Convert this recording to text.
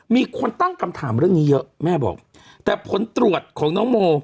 มีคนตั้งคำถามเรื่องนี้เยอะแม่บอกแต่ผลตรวจของน้องโม